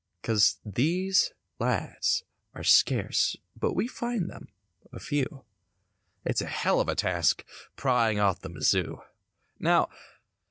'Course these lads are scarce but we find them—a few; It's a hell of a task—prying off the mazoo. Now.